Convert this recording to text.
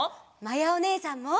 まやおねえさんも！